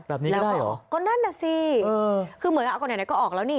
แบบนี้ก็ได้เหรอก็นั่นน่ะสิคือเหมือนเอากันไหนก็ออกแล้วนี่